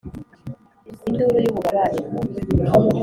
induru y'ububabare,